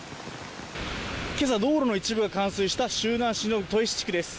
今朝、道路の一部が冠水した周南市です。